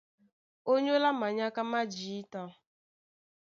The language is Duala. Ónyólá manyáká má jǐta,